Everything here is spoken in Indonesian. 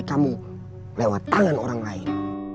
kamu lewat tangan orang lain